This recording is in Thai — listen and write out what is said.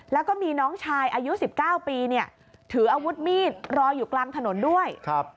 แล้วก็มีน้องชายอายุ๑๙ปีเนี่ยถืออาวุธมีดรออยู่กลางถนนด้วย